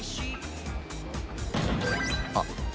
あっ！